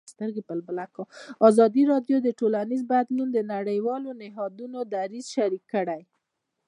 ازادي راډیو د ټولنیز بدلون د نړیوالو نهادونو دریځ شریک کړی.